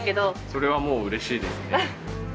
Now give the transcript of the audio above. それはもう嬉しいですね。